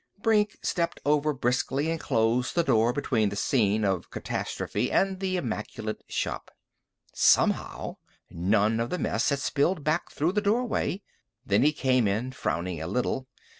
Brink stepped over briskly and closed the door between the scene of catastrophe and the immaculate shop. Somehow, none of the mess had spilled back through the doorway. Then he came in, frowning a little.